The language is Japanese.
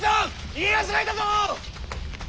家康がいたぞ！